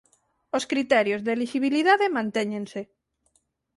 Os criterios de elixibilidade mantéñense.